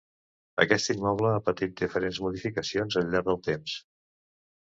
Aquest immoble ha patit diferents modificacions al llarg del temps.